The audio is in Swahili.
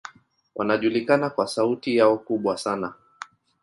Wanajulikana kwa sauti yao kubwa sana.